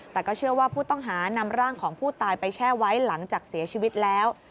แต่ก็เชื่อว่าผู้ต้องหานำร่างของผู้ตายไปแช่ไว้หลังจากเสียชีวิตแล้ว